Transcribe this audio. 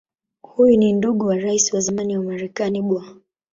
Huyu ni ndugu wa Rais wa zamani wa Marekani Bw.